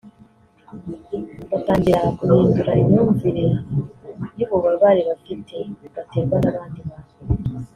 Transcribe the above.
bagatangira guhindura imyumvire y’ububabare bafite baterwa n’abandi bantu